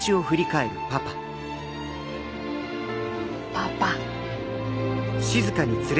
パパ。